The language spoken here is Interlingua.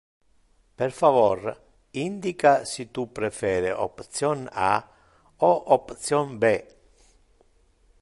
Per favor indica si tu prefere option A o option B